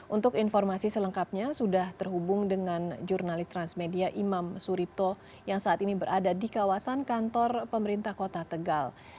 untuk informasi selengkapnya sudah terhubung dengan jurnalis transmedia imam suripto yang saat ini berada di kawasan kantor pemerintah kota tegal